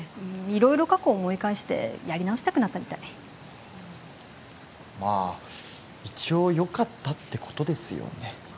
色々過去を思い返してやり直したくなったみたいまあ一応よかったってことですよね